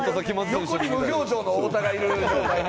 横に無表情の太田がいる状態ね。